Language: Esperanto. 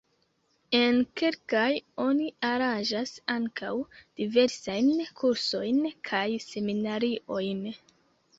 En kelkaj oni aranĝas ankaŭ diversajn kursojn kaj seminariojn.